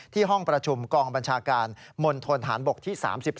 ห้องประชุมกองบัญชาการมณฑนฐานบกที่๓๒